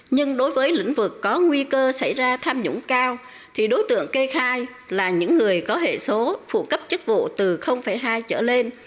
nhưng đối với lĩnh vực có nguy cơ xảy ra tham nhũng cao thì đối tượng kê khai là những người có hệ số phụ cấp chức vụ từ hai trở lên